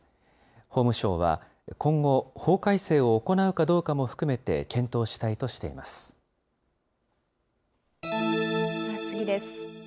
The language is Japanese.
法務省は、今後、法改正を行うかどうかも含めて、検討したいとしでは、次です。